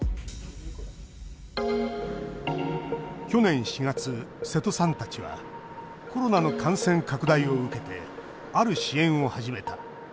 去年４月、瀬戸さんたちはコロナの感染拡大を受けてある支援を始めた。